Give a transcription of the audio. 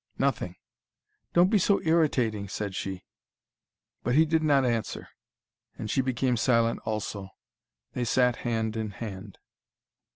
Nothing." "Don't be so irritating," said she. But he did not answer, and she became silent also. They sat hand in hand.